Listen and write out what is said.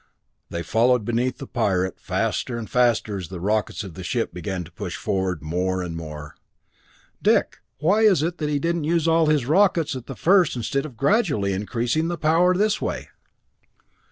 They followed beneath the pirate, faster and faster as the rockets of the ship began to push it forward more and more. "Dick, why is it he didn't use all his rockets at first instead of gradually increasing the power this way?"